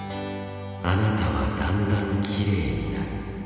「あなたはだんだんきれいになる」